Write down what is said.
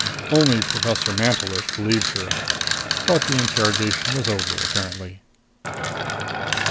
Only Professor Mantelish believed her. But the interrogation was over, apparently.